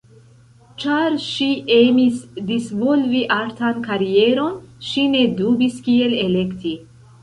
Ĉar ŝi emis disvolvi artan karieron, ŝi ne dubis kiel elekti.